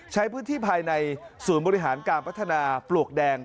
ใช้พื้นที่ภายในศูนย์บริหารการพัฒนาปลวกแดง